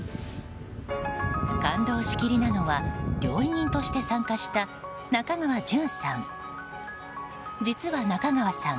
感動しきりなのは料理人として参加した中川潤さん。